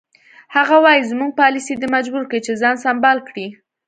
هغه وایي زموږ پالیسي دی مجبور کړی چې ځان سمبال کړي.